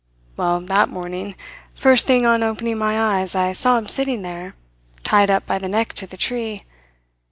Well, that morning, first thing on opening my eyes, I saw him sitting there, tied up by the neck to the tree.